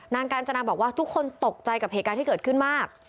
กาญจนาบอกว่าทุกคนตกใจกับเหตุการณ์ที่เกิดขึ้นมาก